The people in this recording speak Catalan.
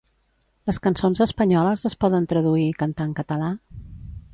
Les cançons espanyoles es poden traduir i cantar en català?